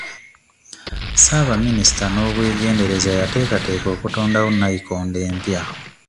Ssabaminisita n'obwegendereza yateekateeka okutondawo nayikondo empya.